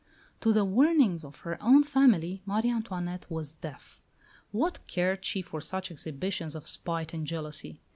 To the warnings of her own family Marie Antoinette was deaf. What cared she for such exhibitions of spite and jealousy?